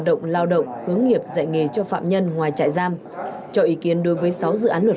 động lao động hướng nghiệp dạy nghề cho phạm nhân ngoài trại giam cho ý kiến đối với sáu dự án luật